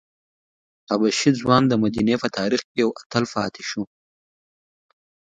حبشي ځوان د مدینې په تاریخ کې یو اتل پاتې شو.